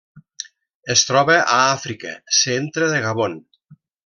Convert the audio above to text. Es troba a Àfrica: centre de Gabon.